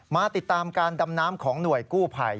มาติดตามการดำน้ำของหน่วยกู้ภัย